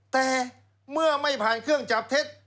แต่เมื่อไม่ผ่านเครื่องจับเท็จ